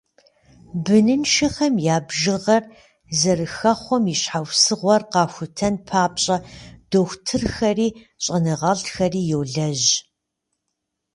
Быныншэхэм я бжыгъэр зэрыхэхъуэм и щхьэусыгъуэр къахутэн папщӏэ дохутырхэри щӏэныгъэлӏхэри йолэжь.